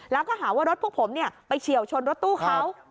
แล้วก็หาว่ารถพวกผมไปเฉียวชนรถตู้เขา